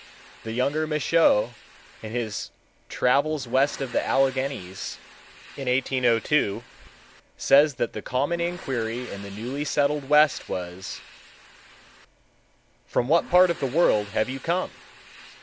The younger Michaux, in his Travels West of the Alleghanies in 1802, says that the common inquiry in the newly settled West was, "'From what part of the world have you come?